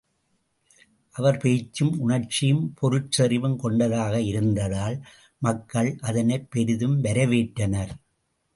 அவர் பேச்சும் உணர்ச்சியும், பொருட்செறிவும் கொண்டதாக இருந்ததால், மக்கள் அதனைப் பெரிதும் வரவேற்றனர்.